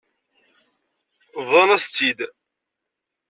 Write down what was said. Bḍan-as-tt-id.